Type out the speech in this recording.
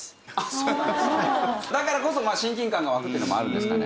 だからこそまあ親近感が湧くっていうのもあるんですかね？